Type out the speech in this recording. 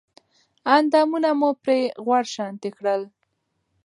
اندامونه مې پرې غوړ شانتې کړل